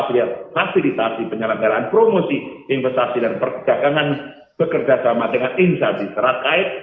dengan fasilitasi penyelenggaraan promosi investasi dan perdagangan bekerja sama dengan insafi serat kait